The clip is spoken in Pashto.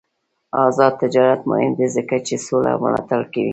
آزاد تجارت مهم دی ځکه چې سوله ملاتړ کوي.